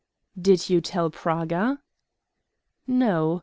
"Did you tell Praga?" "No.